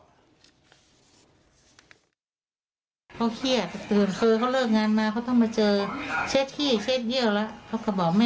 เขาเครียดเตือนเค้าเลิกงานมา